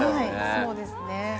そうですね。